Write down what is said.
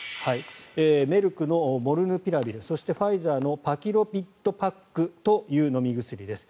メルクのモルヌピラビルそしてファイザーのパキロビッドパックという飲み薬です。